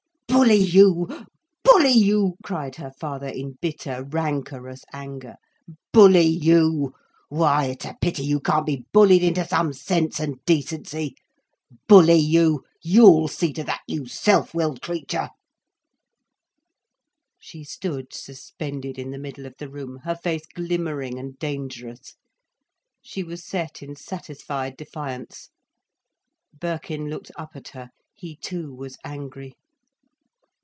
"Bully you! Bully you!" cried her father, in bitter, rancorous anger. "Bully you! Why, it's a pity you can't be bullied into some sense and decency. Bully you! You'll see to that, you self willed creature." She stood suspended in the middle of the room, her face glimmering and dangerous. She was set in satisfied defiance. Birkin looked up at her. He too was angry.